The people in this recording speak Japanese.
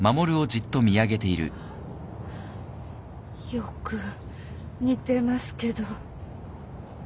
よく似てますけど。